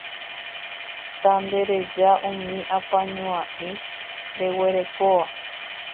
Tandereja umi apañuái reguerekóva